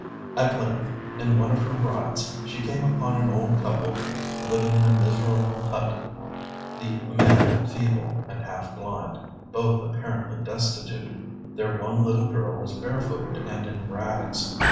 At length, in one of her rides, she came upon an old couple living in a miserable hut, the man feeble and half blind, both apparently destitute; their one little girl was barefooted and in rags.